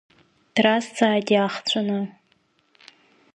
Дразҵааит иаахҵәаны.